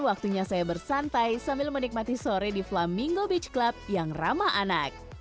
waktunya saya bersantai sambil menikmati sore di flaminggo beach club yang ramah anak